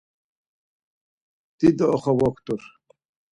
Dido oxovoktur.